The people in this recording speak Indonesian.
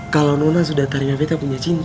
kalau nona sudah ternyata punya cinta